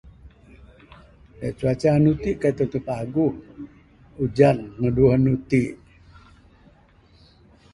Cuaca anu ti kaik tantu paguh. Ujan meh duweh anu ti.